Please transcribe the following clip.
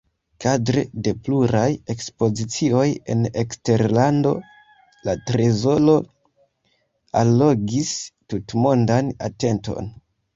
Kadre de pluraj ekspozicioj en eksterlando la trezoro allogis tutmondan atenton.